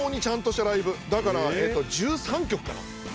だからえっと１３曲かな？